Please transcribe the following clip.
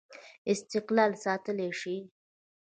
استقلال ساتلای شي.